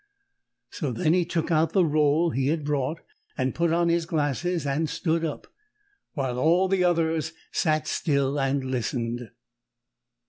So then he took out the roll he had brought and put on his glasses and stood up, while all the others sat still and listened.